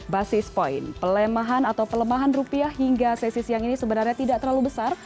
basis point pelemahan atau pelemahan rupiah hingga sesi siang ini sebenarnya tidak terlalu besar